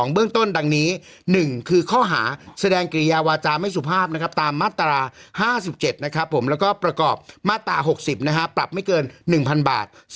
เบื้องต้นดังนี้๑ข้อหาแสดงเกรียวาจาไม่สุภาพตามมาตรา๕๗และประกอบมาตรา๖๐ปรับไม่เกิน๑๐๐๐บาท